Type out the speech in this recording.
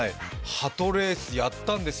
鳩レース、やったんですよ。